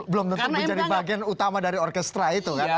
belum menjadi bagian utama dari orkestra itu